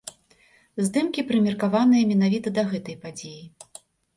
Здымкі прымеркаваныя менавіта да гэтай падзеі.